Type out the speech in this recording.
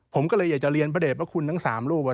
ผมก็เลยอยากจะเรียนพระเด็จพระคุณทั้ง๓รูป